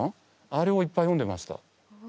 あれをいっぱい読んでました。